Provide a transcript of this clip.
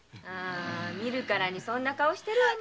見るからにそんな顔してるわね。